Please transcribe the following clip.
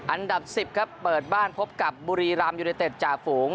อันดับ๑๐ครับเปิดบ้านพบกับบุรีรำยูเนเต็ดจ่าฝูง